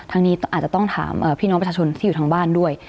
นี้อาจจะต้องถามพี่น้องประชาชนที่อยู่ทางบ้านด้วย